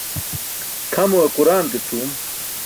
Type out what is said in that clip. Tʰamuwe quraan ke cʰuum.